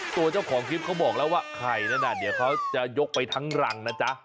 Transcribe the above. ตัวเจ้าของคลิปเขาบอกแล้วว่าไข่นั้นน่ะเดี๋ยวเขาจะยกไปทั้งรังนะจ๊ะ